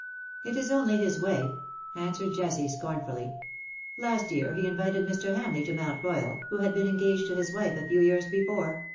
" It is only his way," answered Jessie, scorn fully. ^' Last year he invited Mr. Hamleigh to Mount Ptoyal, who had been engaged to his wife a few years before.